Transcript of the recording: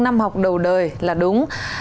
năm học đầu đời là đúng